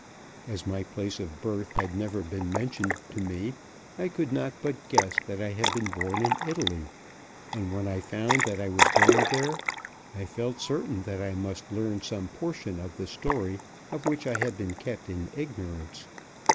As my place of birth had never been mentioned to me, I could not but guess that I had been born in Italy, and when I found that I was going there I felt certain that I must learn some portion of the story of which I had been kept in ignorance.